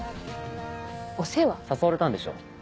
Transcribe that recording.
お世話？誘われたんでしょう。